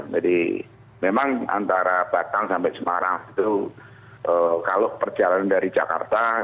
jadi memang antara batang sampai semarang itu kalau perjalanan dari jakarta